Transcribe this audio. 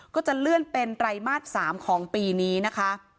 ก็จะเลื่อนเป็นไตรมาส๓ของปีนี้นะคะ